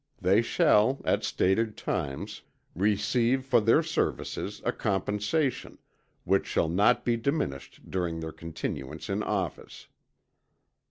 They shall, at stated times, receive for their services, a compensation, which shall not be diminished during their continuance in office.